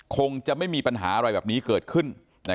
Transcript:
คงจะไม่มีปัญหาอะไรแบบนี้เกิดขึ้น